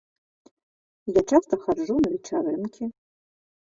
Я часта хаджу на вечарынкі.